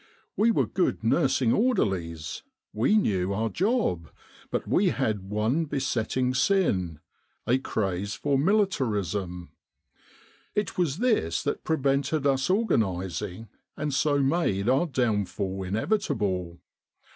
We were good nursing orderlies. We knew our job. But we had one besetting sin, a craze for militarism. It was this that prevented us organising and so made our down fall inevitable.